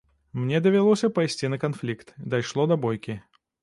Мне давялося пайсці на канфлікт, дайшло да бойкі.